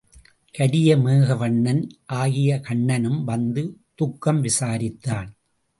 கரிய மேக வண்ணன் ஆகிய கண்ணனும் வந்து துக்கம் விசாரித்தான்.